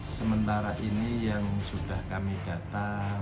sementara ini yang sudah kami data